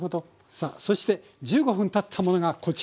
さあそして１５分たったものがこちら。